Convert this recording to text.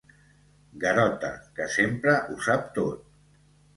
Garota, que sempre ho sap tot.